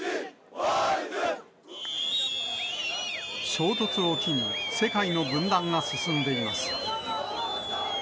衝突を機に、世界の分断が進んでいます。